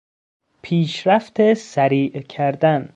پیشرفت سریع کردن